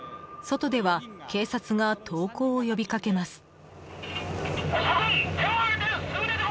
外では警察が投降を呼びかけます。